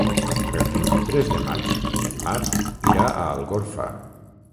El vint-i-tres de maig en Marc irà a Algorfa.